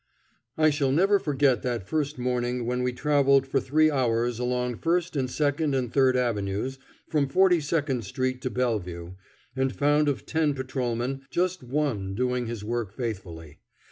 I shall never forget that first morning when we travelled for three hours along First and Second and Third avenues, from Forty second Street to Bellevue, and found of ten patrolmen just one doing his work faithfully.